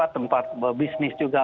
tempat bisnis juga